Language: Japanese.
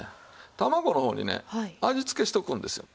卵の方にね味つけしておくんですよ。